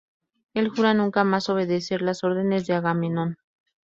Él jura nunca más obedecer las órdenes de Agamenón.